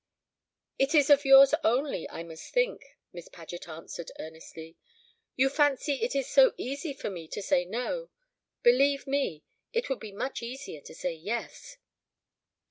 "It is of yours only I must think," Miss Paget answered earnestly. "You fancy it is so easy for me to say no. Believe me, it would be much easier to say yes.